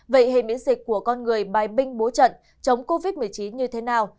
vậy hệ miễn dịch của con người bài binh bố trận chống covid một mươi chín như thế nào